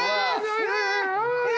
すごいね。